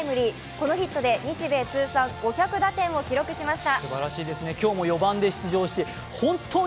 このヒットで日米通算５００打点をたたき出しました。